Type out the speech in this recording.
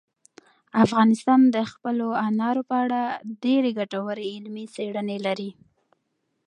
افغانستان د خپلو انارو په اړه ډېرې ګټورې علمي څېړنې لري.